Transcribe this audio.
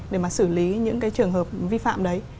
để mà xử lý những cái trường hợp vi phạm đấy